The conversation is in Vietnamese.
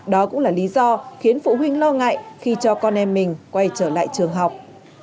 đó cũng là lý do khiến phụ huynh lo ngại khi cho con em mình quay trở lại trường học